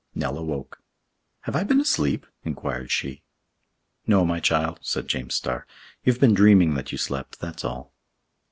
Nell awoke. "Have I been asleep?" inquired she. "No, my child," said James Starr. "You have been dreaming that you slept, that's all."